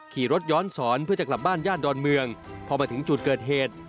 ขี่รถย้อนสอนเพื่อจะกลับบ้านย่านดอนเมืองพอมาถึงจุดเกิดเหตุ